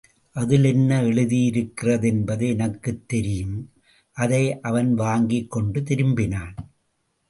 அதில் என்ன எழுதியிருக்கிறது என்பது எனக்குத் தெரியும்! அதை அவன் வாங்கிக் கொண்டு திரும்பினான்.